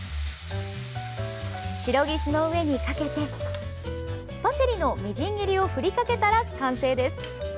シロギスの上にかけてパセリのみじん切りを振りかけたら完成です。